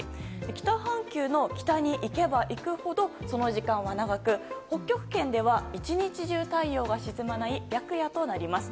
北半球の北に行けば行くほどその時間は長く北極圏では１日中太陽が沈まない白夜となります。